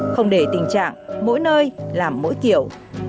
không để tình trạng mỗi nơi làm mỗi kiểu